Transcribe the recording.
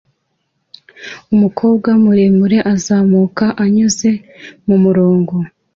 umukobwa muremure uzamuka anyuze mumurongo